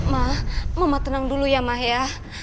ma mama tenang dulu ya ma ya